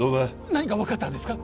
何か分かったんですか？